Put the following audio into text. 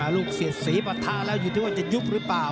ลูกเสียดสีปะทะแล้วอยู่ที่ว่าจะยุบหรือเปล่า